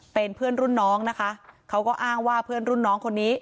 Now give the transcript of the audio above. เป็นเพื่อนรุ่นน้องนะคะเขาก็อ้างว่าเพื่อนรุ่นน้องคนนี้